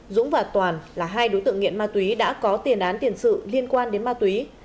dũng và toàn là hai đối tượng nghiện ma túy đã có tiền án tiền sự liên quan đến ma túy